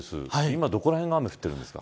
今どこら辺が雨降ってるんですか。